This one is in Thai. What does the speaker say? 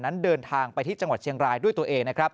นั้นเดินทางไปที่จังหวัดเชียงรายด้วยตัวเองนะครับ